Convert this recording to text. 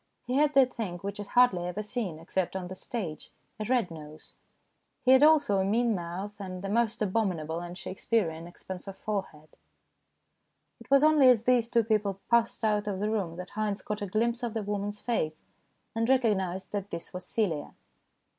He had that thing which is hardly ever seen, except on the stage a red nose. He had also a mean mouth, and a most abominable and Shakes pearean expanse of forehead. It was only as these two people passed out of the room that Haynes caught a glimpse of the woman's face, and recognized that this was Celia.